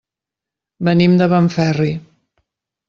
Venim de Benferri.